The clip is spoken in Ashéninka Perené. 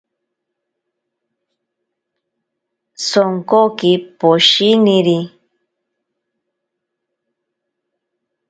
Sonkoki poshiniri.